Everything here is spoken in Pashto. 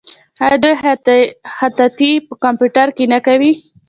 آیا دوی خطاطي په کمپیوټر کې نه کوي؟